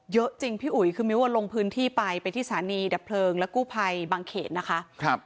เยอะจริงพี่อุ๋ยคือมิ้วลงพื้นที่ไปไปที่สถานีดับเพลิงและกู้ภัยบางเขตนะคะ